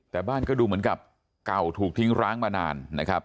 แต่บ้านก็ดูเหมือนกับเก่าถูกทิ้งร้างมานานนะครับ